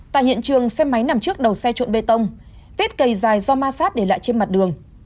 tại hiện trường xe máy nằm trước đầu xe trộn bê tông vết cầy dài do ma sát để lại trên mặt đường